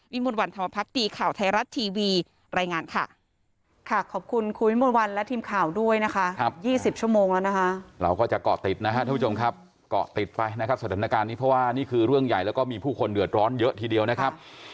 วิมวันธรรมพรรคตีข่าวไทยรัตน์ทีวีรายงานค่ะ